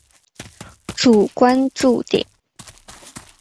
主关注点。